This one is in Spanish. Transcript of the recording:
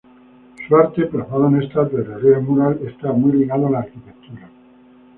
Su arte, plasmado en estatuas y relieves murales, está muy ligado a la arquitectura.